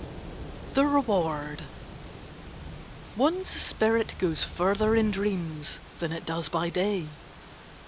THE REWARD One's spirit goes further in dreams than it does by day.